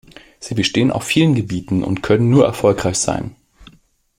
Sie bestehen auf vielen Gebieten und können nur erfolgreich sein.